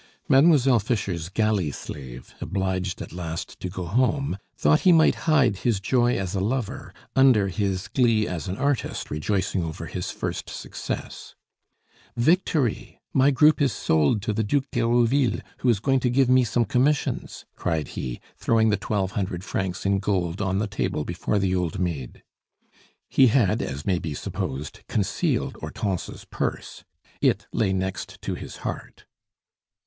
Mademoiselle Fischer's galley slave, obliged at last to go home, thought he might hide his joy as a lover under his glee as an artist rejoicing over his first success. "Victory! my group is sold to the Duc d'Herouville, who is going to give me some commissions," cried he, throwing the twelve hundred francs in gold on the table before the old maid. He had, as may be supposed concealed Hortense's purse; it lay next to his heart.